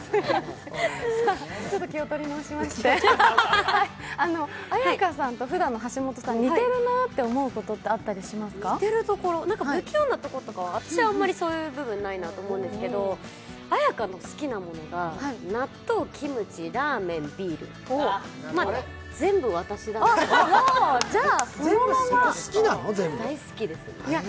気を取り直しまして、綾華さんとふだんの橋本さんと似ているところがあったりしますか不器用なところとかは私はあんまりそういう部分ないなと思うんですけれども、綾華の好きなものが納豆、キムチ、ラーメン、ビール、まあ、全部私だと大好きです。